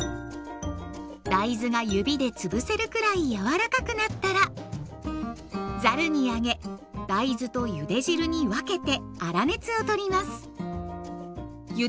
大豆が指で潰せるくらい柔らかくなったらざるにあげ大豆とゆで汁に分けて粗熱を取ります。